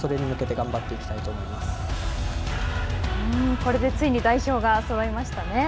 これでついに代表がそろいましたね。